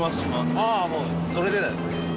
あもうそれで。